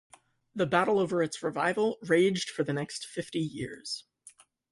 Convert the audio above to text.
The battle over its revival raged for the next fifty years.